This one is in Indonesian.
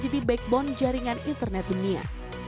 di jaringan internet dunia